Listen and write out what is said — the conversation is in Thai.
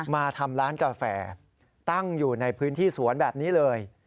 มาทำร้านกาแฟตั้งอยู่ในพื้นที่สวนแบบนี้เลย